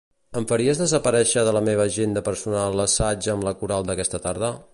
Em faries desaparèixer de la meva agenda personal l'assaig amb la coral d'aquesta tarda?